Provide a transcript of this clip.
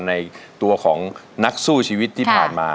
ในตัวของนักสู้ชีวิตที่ผ่านมา